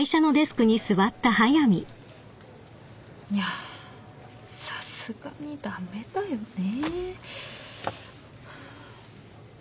いやさすがに駄目だよね。